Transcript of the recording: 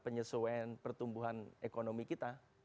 penyesuaian pertumbuhan ekonomi kita